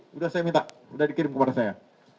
sudah saya minta sudah dikirim kepada saya